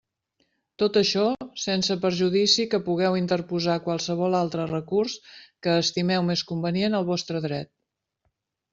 Tot això, sense perjudici que pugueu interposar qualsevol altre recurs que estimeu més convenient al vostre dret.